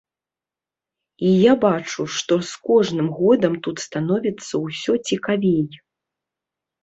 І я бачу, што з кожным годам тут становіцца ўсё цікавей.